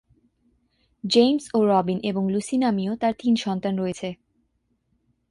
James ও Robin এবং Lucy নামীয় তার তিন সন্তান রয়েছে।